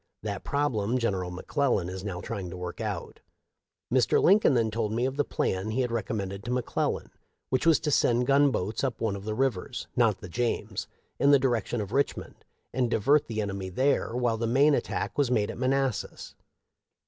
That problem Gen eral McClellan is now trying to work out.' Mr. Lincoln then told me of the plan he had recom mended to McClellan, which was to send gunboats up one of the rivers — not the James — in the direc tion of Richmond, and divert the enemy there Mobile the main attack was made at Manassas.